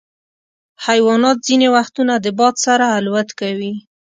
حیوانات ځینې وختونه د باد سره الوت کوي.